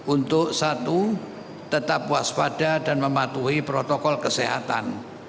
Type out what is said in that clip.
untuk satu tetap waspada dan mematuhi protokol kesehatan